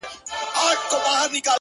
نو زه له تاسره ـ